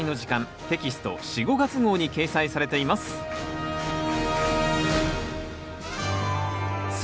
テキスト４・５月号に掲載されています選